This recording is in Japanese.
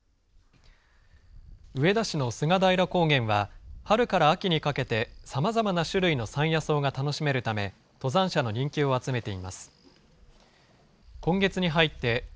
上田市の菅平高原は、春から秋にかけてさまざまな種類の山野草が楽しめるため、登山者の人気を集めています。